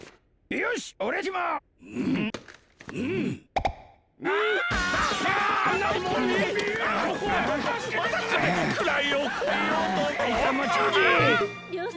よろしくお願いします！